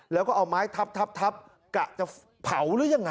แล้วก็เอาไม้ทับกะจะเผาหรือยังไง